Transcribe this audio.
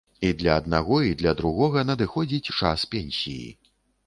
І для аднаго, і для другога надыходзіць час пенсіі.